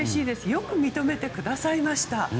よく認めてくださいました。